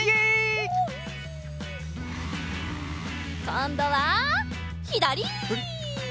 こんどはひだり！